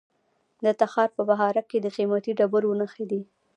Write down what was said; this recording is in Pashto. د تخار په بهارک کې د قیمتي ډبرو نښې دي.